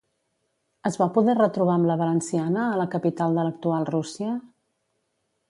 Es va poder retrobar amb la valenciana a la capital de l'actual Rússia?